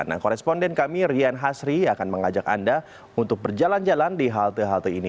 nah koresponden kami rian hasri akan mengajak anda untuk berjalan jalan di halte halte ini